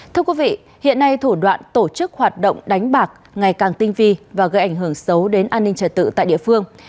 thưa quý vị hiện nay thủ đoạn tổ chức hoạt động đánh bạc ngày càng tinh vi và gây ảnh hưởng xấu đến an ninh trật tự tại địa phương